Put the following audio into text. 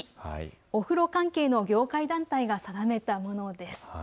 お風呂関係の業界団体が定めたものです。